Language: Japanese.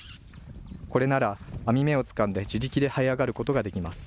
これなら網目をつかんで自力で這い上がることができます。